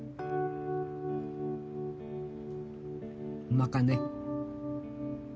うまかね？